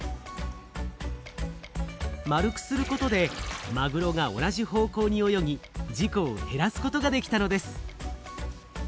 丸くすることでマグロが同じ方向に泳ぎ事故を減らすことができたのです。